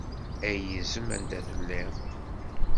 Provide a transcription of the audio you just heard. Ay izem anda telliḍ.